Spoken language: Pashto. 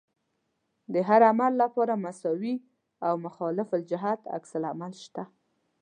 د هر عمل لپاره مساوي او مخالف الجهت عکس العمل شته.